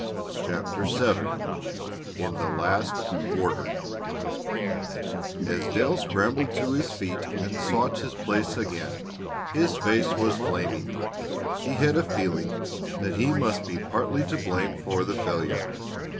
CHAPTER VII IN THE LAST QUARTER As Dale scrambled to his feet and sought his place again, his face was flaming. He had a feeling that he must be partly to blame for the failure.